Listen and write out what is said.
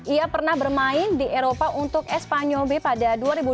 ia pernah bermain di eropa untuk espanyol b pada dua ribu dua belas